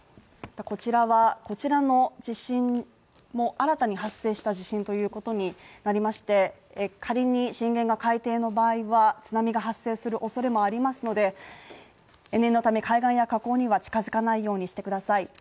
こちらの地震も新たに発生した地震ということになりまして、仮に震源が海底の場合は津波が発生するおそれもありますので、念のため海岸や河口には近づかないようにしてください。